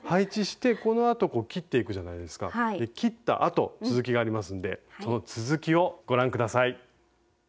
切ったあと続きがありますんでその続きをご覧下さい。